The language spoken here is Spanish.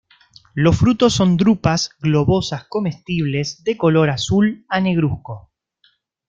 Los frutos son drupas globosas comestibles, de color azul a negruzco.